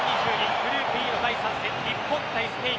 グループＥの第３戦日本対スペイン